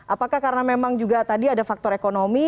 apakah karena memang juga tadi ada faktor ekonomi